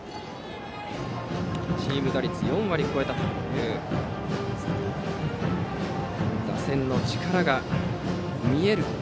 チーム打率４割を超えたという打線の力が見える